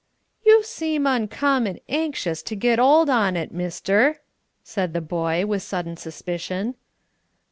"You seem uncommon anxious to get 'old on it, mister!" said the boy, with sudden suspicion.